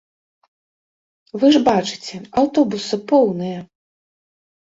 Вы ж бачыце, аўтобусы поўныя.